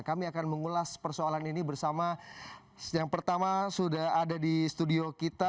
kami akan mengulas persoalan ini bersama yang pertama sudah ada di studio kita